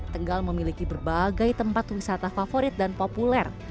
tegal memiliki berbagai tempat wisata favorit dan populer